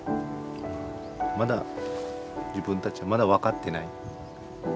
まだ自分たちはまだ分かってない。